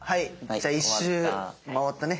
じゃあ１周回ったね。